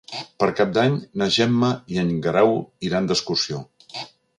Per Cap d'Any na Gemma i en Guerau iran d'excursió.